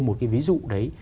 một cái ví dụ đấy